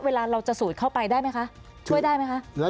เวลาเราจะสูดเข้าไปได้ไหมคะช่วยได้ไหมคะ